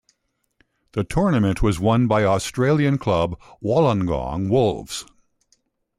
The tournament was won by Australian club Wollongong Wolves.